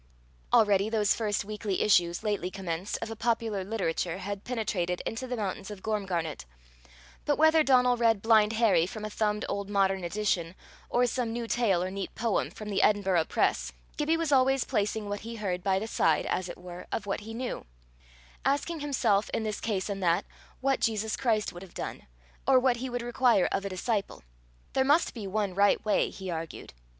Already those first weekly issues, lately commenced, of a popular literature had penetrated into the mountains of Gormgarnet; but whether Donal read Blind Harry from a thumbed old modern edition, or some new tale or neat poem from the Edinburgh press, Gibbie was always placing what he heard by the side, as it were, of what he knew; asking himself, in this case and that, what Jesus Christ would have done, or what he would require of a disciple. There must be one right way, he argued.